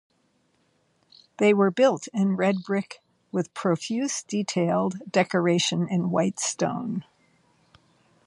They were built in red brick with profuse detailed decoration in white stone.